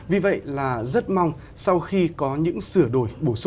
vì vậy là rất mong sau khi có những sửa đổi